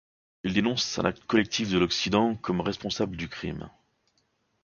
Il dénonce un acte collectif de l'Occident comme responsable du crime.